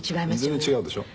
全然違うでしょ？